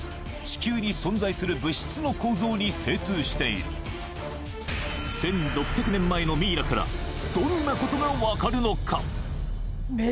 地球に存在する物質の構造に精通している１６００年前のミイラからどんなことがわかるのか？